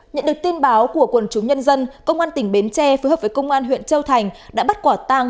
nhận được tin báo của quần chúng nhân dân công an tỉnh bến tre phối hợp với công an huyện châu thành đã bắt quả tang